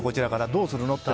どうするの？って。